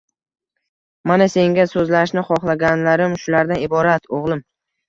Mana, senga so'zlashni xohlaganlarim shulardan iborat, o'g'lim.